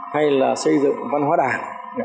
hay là xây dựng văn hóa đảng